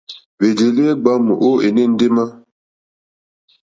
Hwèjèelì hwe gbàamù o ene ndema.